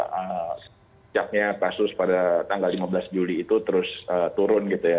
sejaknya kasus pada tanggal lima belas juli itu terus turun gitu ya